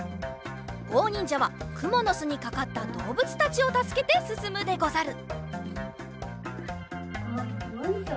ごうにんじゃはくものすにかかったどうぶつたちをたすけてすすむでござる。